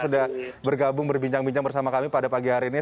sudah bergabung berbincang bincang bersama kami pada pagi hari ini